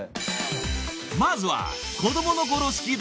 ［まずは］